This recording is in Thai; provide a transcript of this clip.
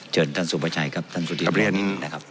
เจอท่านสุภาชัยครับท่านสุภาชัย